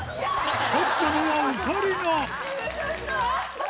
勝ったのはオカリナ